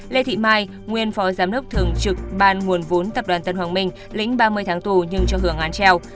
lê thị mai nguyên phó giám đốc thường trực ban nguồn vốn tập đoàn tân hoàng minh lĩnh ba mươi tháng tù nhưng cho hưởng án treo